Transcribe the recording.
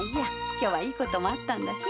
今日はいいこともあったんだし。